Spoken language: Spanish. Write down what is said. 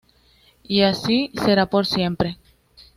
Y así será por siempre.